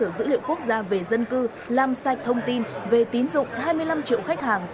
kết nối với cơ sở dữ liệu quốc gia về dân cư làm sạch thông tin về tín dụng hai mươi năm triệu khách hàng